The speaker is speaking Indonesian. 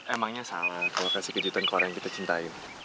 emangnya salah kalau kasih kejutan korea yang kita cintai